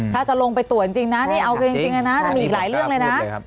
ถ้าจะลงไปตรวจจริงนะนี่เอากันจริงนะจะมีอีกหลายเรื่องเลยนะ